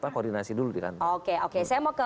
koordinasi dulu oke oke saya mau ke